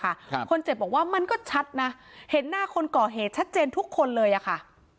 ครับคนเจ็บบอกว่ามันก็ชัดนะเห็นหน้าคนก่อเหตุชัดเจนทุกคนเลยอ่ะค่ะ